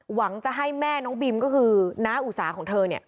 หวังจะให้แม่น้องบิมก็คือน้าอุสาของเธอ